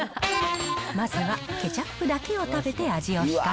まずはケチャップだけを食べて味を比較。